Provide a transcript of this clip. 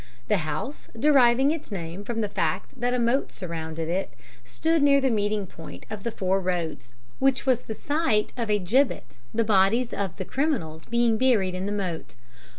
The house, deriving its name from the fact that a moat surrounded it, stood near the meeting point of the four roads, which was the site of a gibbet, the bodies of the criminals being buried in the moat.